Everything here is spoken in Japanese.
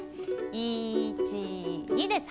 １２です。